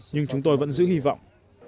nhưng chúng tôi vẫn giữ hy vọng